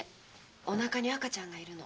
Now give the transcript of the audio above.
お腹に赤ちゃんがいるの。